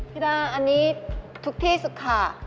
พี่ดาอันนี้ทุกที่สุขค่ะ